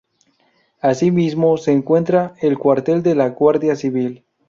Asimismo se encuentra el cuartel de la Guardia Civil.